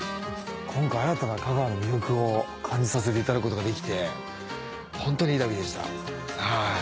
今回新たな香川の魅力を感じさせていただくことができてホントにいい旅でした。